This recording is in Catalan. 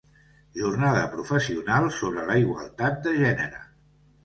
Jornada professional sobre la igualtat de gènere.